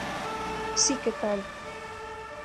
Si que tal.